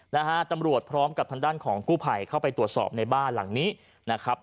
นะฮะตำรวจพร้อมกับทางด้านของกู้ภัยเข้าไปตรวจสอบในบ้านหลังนี้นะครับ